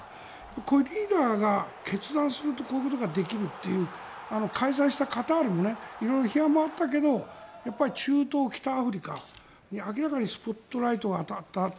これ、リーダーが決断するとこういうことができるという開催したカタールも色々批判もあったけど中東、北アフリカに明らかにスポットライトが当たったって。